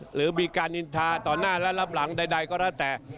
หรือมีการอินทาต่อหน้าและรับหลังใดก็แล้วแต่